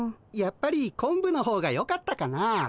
やっぱりコンブの方がよかったかな。